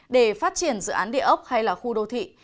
để phát triển dự án địa ốc hay là khu đô thị